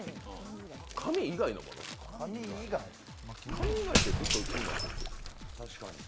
紙以外ってずっと気になってるんですよ